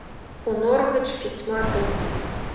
Онор гыч письма толын